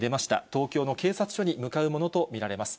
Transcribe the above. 東京の警察署に向かうものと見られます。